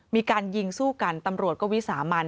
มีการยิงสู้กันตำรวจก็วิสามัน